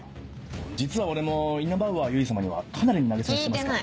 実は俺もイナバウアー由衣様にはかなりの投げ銭してますからね。